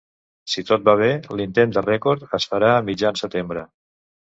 Si tot va bé, l’intent de rècord es farà a mitjan setembre.